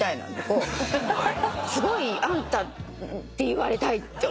すごいあんたって言われたいって。